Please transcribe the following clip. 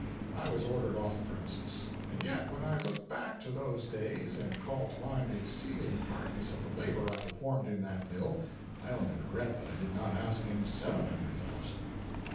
I was ordered off the premises! And yet, when I look back to those days and call to mind the exceeding hardness of the labor I performed in that mill, I only regret that I did not ask him seven hundred thousand.